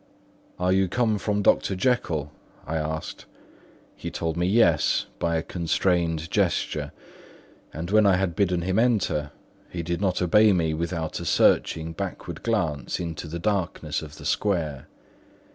"Are you come from Dr. Jekyll?" I asked. He told me "yes" by a constrained gesture; and when I had bidden him enter, he did not obey me without a searching backward glance into the darkness of the square.